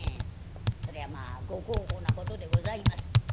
そりゃまあご孝行なことでございます。